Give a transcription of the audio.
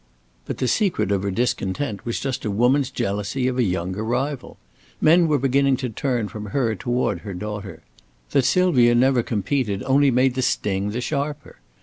But the secret of her discontent was just a woman's jealousy of a younger rival. Men were beginning to turn from her toward her daughter. That Sylvia never competed only made the sting the sharper.